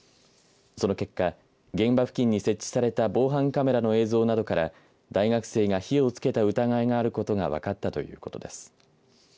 その結果現場付近に設置された防犯カメラの映像などから大学生が火をつけた疑いがあることが分かったということです。